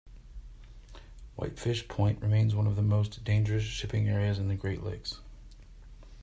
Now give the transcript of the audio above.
Whitefish Point remains one of the most dangerous shipping areas in the Great Lakes.